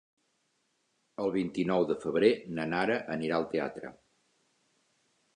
El vint-i-nou de febrer na Nara anirà al teatre.